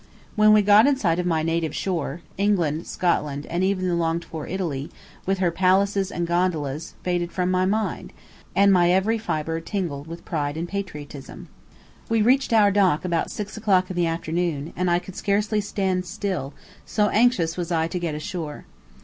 When we got in sight of my native shore, England, Scotland, and even the longed for Italy, with her palaces and gondolas, faded from my mind, and my every fibre tingled with pride and patriotism. We reached our dock about six o'clock in the afternoon, and I could scarcely stand still, so anxious was I to get ashore.